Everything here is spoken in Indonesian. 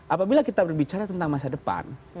apabila kita berbicara tentang masa depan